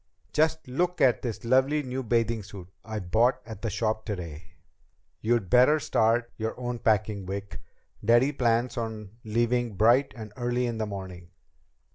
"Just look at this lovely new bathing suit I bought at the shop today!" "You'd better start your own packing, Vic. Daddy plans on leaving bright and early in the morning."